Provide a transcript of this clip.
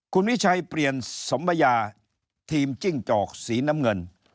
คุณวิชัยเปลี่ยนสมพญาทีมจิ้งจอกสีน้ำเงิน